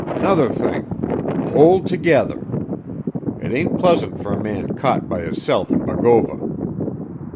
'Nother thing; hold tergether. It ain't pleasant fer a man caught by hisself in Bogova.